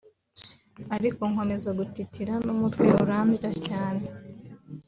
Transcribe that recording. ariko nkomeza gutitira n’umutwe urandya cyane